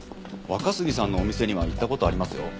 若杉さんのお店には行った事ありますよ。